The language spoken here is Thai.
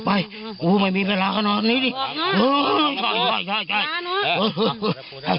ไปกูไม่มีเวลาขนาดนี้ดิ